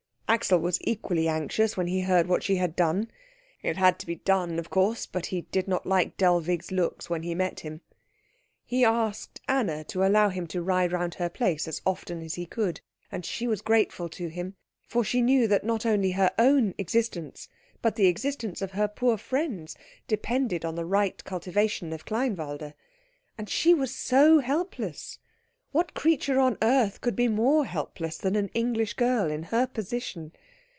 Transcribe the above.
Axel was equally anxious, when he heard what she had done. It had to be done, of course; but he did not like Dellwig's looks when he met him. He asked Anna to allow him to ride round her place as often as he could, and she was grateful to him, for she knew that not only her own existence, but the existence of her poor friends, depended on the right cultivation of Kleinwalde. And she was so helpless. What creature on earth could be more helpless than an English girl in her position?